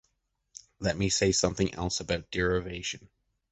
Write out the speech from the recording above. Let me say something else about derivation.